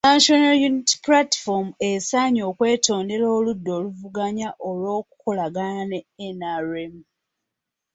National Unity Platform esaanye okwetondera oludda oluvuganya olw’okukolagana ne NRM.